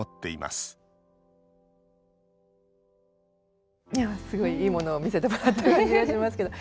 すごい、いいものを見せてもらった気がしますけど。